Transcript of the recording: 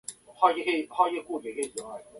今日は夜更かしします